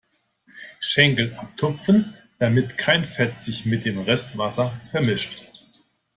Schenkel abtupfen, damit kein Fett sich mit dem Rest Wasser vermischt.